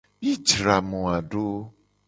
Mi jra moa do.